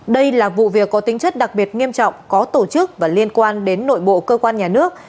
đây là vụ việc có tính chất đặc biệt nghiêm trọng có tổ chức và liên quan đến nội bộ cơ quan nhà nước